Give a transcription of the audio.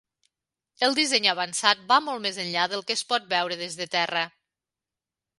El disseny avançat va molt més enllà del que es pot veure des de terra.